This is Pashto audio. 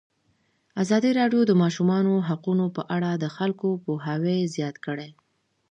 ازادي راډیو د د ماشومانو حقونه په اړه د خلکو پوهاوی زیات کړی.